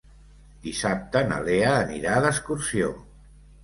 Dissabte na Lea anirà d'excursió.